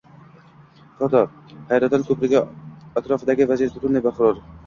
Foto: Hayraton ko‘prigi atrofidagi vaziyat butunlay barqaror